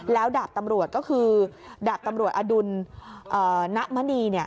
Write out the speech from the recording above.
แล้วดาบตำรวจก็คือดาบตำรวจอดุลณมณี